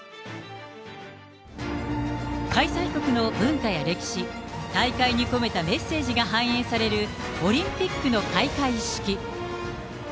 開催国の文化や歴史、大会に込めたメッセージが反映されるオリンピックの開会式。